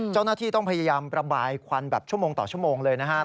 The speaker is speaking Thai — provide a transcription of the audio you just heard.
เจ้าหน้าที่ต้องพยายามระบายควันแบบชั่วโมงต่อชั่วโมงเลยนะครับ